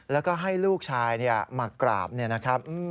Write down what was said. แล้วก็ให้ลูกชายมากราบเนี่ยนะครับ